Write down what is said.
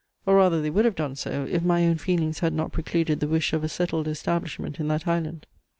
Or rather they would have done so, if my own feelings had not precluded the wish of a settled establishment in that island.